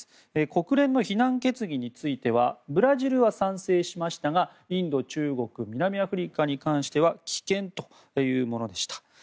国連の非難決議についてはブラジルは賛成しましたがインド、中国、南アフリカに関しては棄権というものでした。